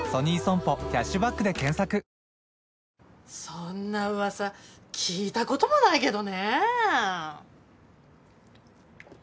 ・そんな噂聞いたこともないけどね。